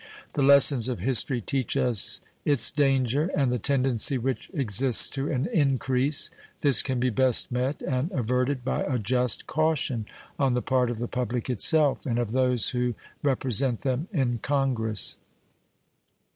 The lessons of history teach us its danger and the tendency which exists to an increase. This can be best met and averted by a just caution on the part of the public itself, and of those who represent them in Congress.